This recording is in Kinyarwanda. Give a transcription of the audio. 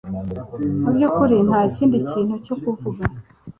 Mu byukuri nta kindi kintu cyo kuvuga